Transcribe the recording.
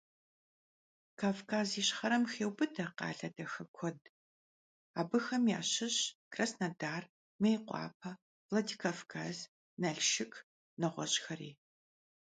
Kavkaz Yişxherem xêubıde khale daxe kued. Abıxem yaşışş Krasnodar, Mêykhuape, Vladikavkaz, Nalşşık, neğueş'xeri.